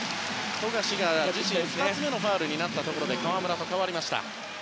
富樫が自身２つ目のファウルで河村と代わりました。